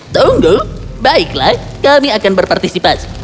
tunggu baiklah kami akan berpartisipasi